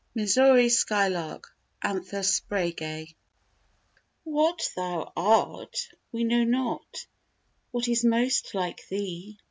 MISSOURI SKYLARK. (Anthus spragueii.) "What thou art we know not What is most like thee?